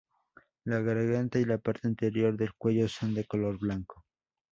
La garganta y la parte anterior del cuello son de color blanco.